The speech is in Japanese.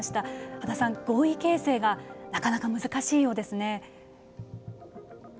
秦さん、合意形成がなかなか難しいようですね。